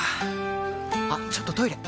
あっちょっとトイレ！